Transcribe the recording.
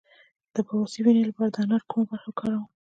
د بواسیر د وینې لپاره د انار کومه برخه وکاروم؟